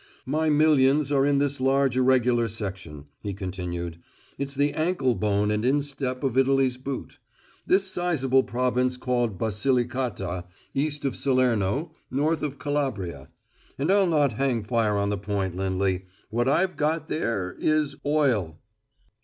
"My millions are in this large irregular section," he continued. "It's the anklebone and instep of Italy's boot; this sizable province called Basilicata, east of Salerno, north of Calabria. And I'll not hang fire on the point, Lindley. What I've got there is oil."